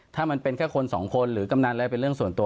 ถ้ามันเป็นแค่คนสองคนหรือกำนันอะไรเป็นเรื่องส่วนตัว